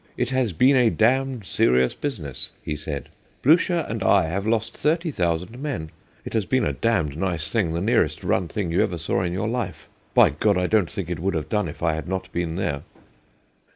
" It has been a damned serious business," he said. " Blucher and I have lost 30,000 men. It has been a damned nice thing the nearest run thing you ever saw in your life. ... By God 1 I don't think it would have done if I had not been there."'